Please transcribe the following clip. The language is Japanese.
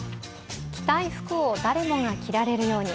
着たい服を誰もが着られるように。